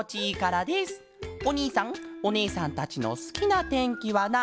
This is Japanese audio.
おにいさんおねえさんたちのすきなてんきはなんですか？」。